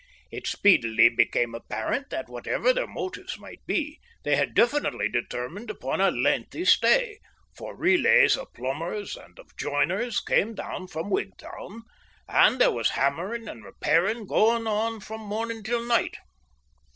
It speedily became apparent that, whatever their motives might be, they had definitely determined upon a lengthy stay, for relays of plumbers and of joiners came down from Wigtown, and there was hammering and repairing going on from morning till night.